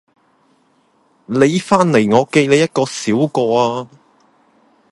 你翻嚟我記你一個小過呀